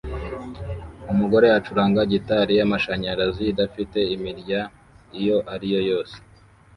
Umugore ucuranga gitari yamashanyarazi idafite imirya iyo ari yo yose